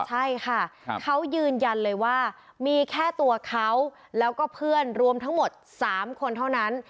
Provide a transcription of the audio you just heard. ใช่ค่ะเขายืนยันเลยว่ามีแค่ตัวเขาแล้วก็เพื่อนรวมทั้งหมด๓คนเท่านั้น